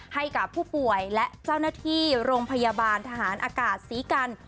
ให้กับผู้ป่วยและเจ้าหน้าที่โรงพยาบาลทหารอากาศศรีกัน